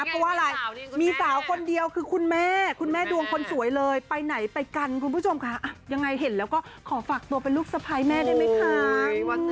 เพราะว่าอะไรมีสาวคนเดียวคือคุณแม่คุณแม่ดวงคนสวยเลยไปไหนไปกันคุณผู้ชมค่ะยังไงเห็นแล้วก็ขอฝากตัวเป็นลูกสะพ้ายแม่ได้ไหมคะ